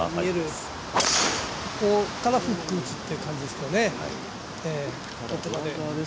ここからフックを打つという感じですよね。